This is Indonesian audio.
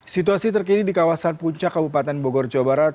situasi terkini di kawasan puncak kabupaten bogor jawa barat